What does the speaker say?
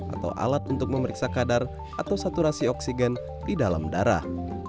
atau alat untuk memeriksa kadar atau saturasi oksigen di dalam darah